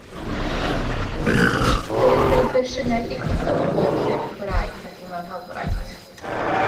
Dylid gwneud fersiynau digidol o bob llyfr Cymraeg nad yw mewn hawlfraint.